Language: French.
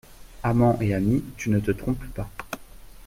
Amant et ami, tu ne te trompes pas.